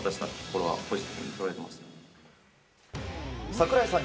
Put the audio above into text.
櫻井さん